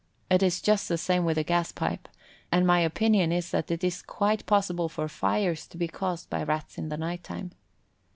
It is just the same with a gas pipe, and my opinion is that it is quite possible for fires to be caused by Rats in the night time.